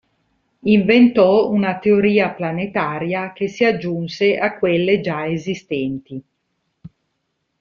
Inventò una teoria planetaria che si aggiunse a quelle già esistenti.